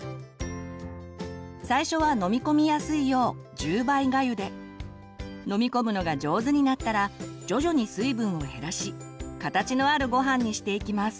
最初は飲み込みやすいよう１０倍がゆで飲み込むのが上手になったら徐々に水分を減らし形のあるごはんにしていきます。